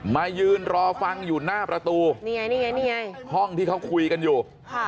มายืนรอฟังอยู่หน้าประตูห้องที่เขาคุยกันอยู่